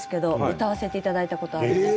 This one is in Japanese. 歌わせていただいたことあります。